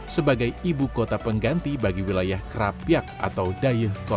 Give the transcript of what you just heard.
sebagai ibu kota pengganti bagi wilayah krapiak atau dayekolong